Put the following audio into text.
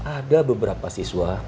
ada beberapa siswa